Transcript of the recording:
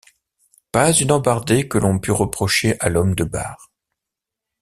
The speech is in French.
Pas une embardée que l’on pût reprocher à l’homme de barre!